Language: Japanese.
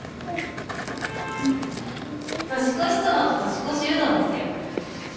年越しそばと年越しうどんですよ。